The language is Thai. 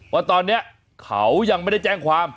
ว่าตอนนี้เขายังไม่ได้แจ้งความ